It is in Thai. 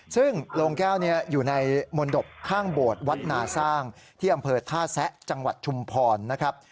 ซึ่งโรงแก้วนี้อยู่ในมนตบข้างโบสถ์วัดนาสร้างที่อำเภอท่าแซะจังหวัดชุมพรนะครับ